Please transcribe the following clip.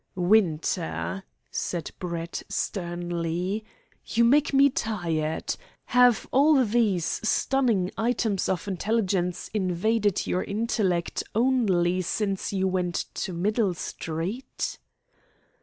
"Winter," said Brett sternly, "you make me tired. Have all these stunning items of intelligence invaded your intellect only since you went to Middle Street?"